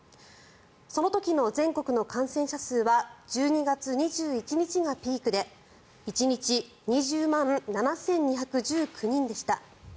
その時の全国の感染者数は１２月２１日がピークで１日２０万７２１９人でした。